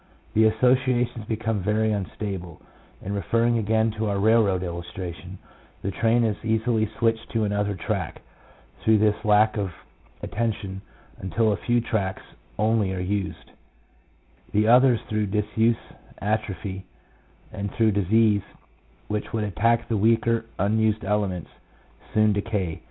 The associations become very unstable, and re ferring again to our railroad illustration, the train is easily switched to another track through this lack of attention, until a few tracks only are used ; the others through disuse atrpohy, and through disease which would attack the weaker, unused elements, soon decay.